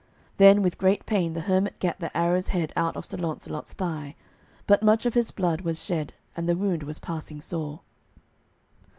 Then with great pain the hermit gat the arrow's head out of Sir Launcelot's thigh, but much of his blood was shed, and the wound was passing sore.